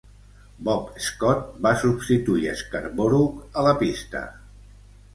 Bob Scott va substituir Scarborough a la pista.